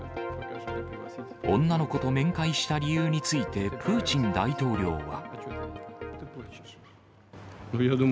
女の子と面会した理由について、プーチン大統領は。